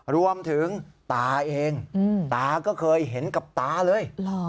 รวมถึงตาเองตาก็เคยเห็นกับตาเลย